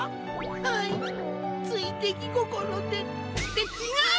はいついできごころで。ってちがう！